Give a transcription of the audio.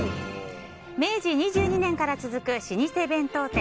明治２２年から続く老舗弁当店